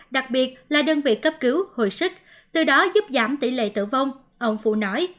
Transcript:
đặc biệt là đơn vị cấp cứu hồi sức từ đó giúp giảm tỷ lệ tử vong ông phu nói